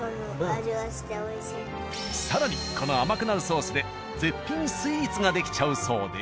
更にこの甘くなるソースで絶品スイーツができちゃうそうで。